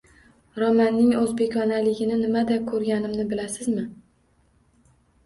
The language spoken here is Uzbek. Romanning o`zbekonaligini nimada ko`rganimni bilasizmi